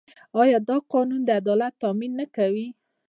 آیا دا قانون د عدالت تامین نه کوي؟